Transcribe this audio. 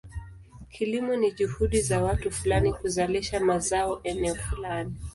Kilimo ni juhudi za watu fulani kuzalisha mazao eneo fulani.